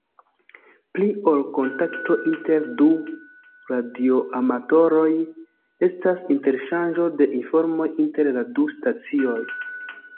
Pli ol kontakto inter du radioamatoroj estas interŝanĝo de informoj inter la du stacioj.